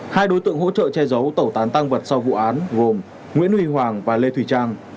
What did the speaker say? hai đối tượng hỗ trợ che giấu tẩu tán tăng vật sau vụ án gồm nguyễn huy hoàng và lê thùy trang